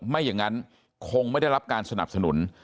ไม่อย่างนั้นคงไม่ได้รับการสนับสนุน